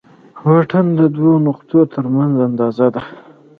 واټن د دوو نقطو تر منځ اندازه ده.